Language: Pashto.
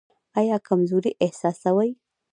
ایا کمزوري احساسوئ؟